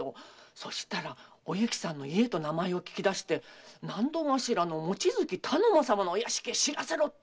そしたらおゆきさんの家と名前を聞き出して納戸頭の望月頼母様のお屋敷へ知らせろって言うんですよ。